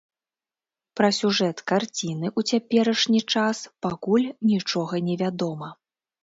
Пра сюжэт карціны ў цяперашні час пакуль нічога не вядома.